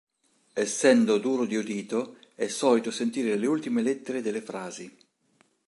Essendo duro di udito è solito sentire le ultime lettere delle frasi.